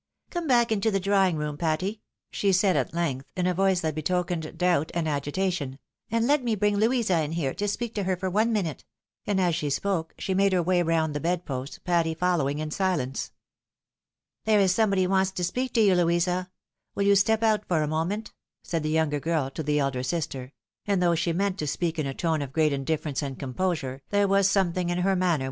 " Come back into the drawing room, Patty," she said at length, in a voice that betokened doubt and agitation, " and let me bring Louisa in here, to speak to her for one minute ;" and as she spoke, she made her way round the bed post, Patty following in silence. " There is somebody wants to speak to you, Louisa ; will you step out for a moment?" said the younger to the elder sister : and though she meant to speak in a tone of great in difference and composure, there was something in her manner 224 THE WIDOW MARRIED.